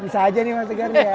bisa aja nih mas tegar ya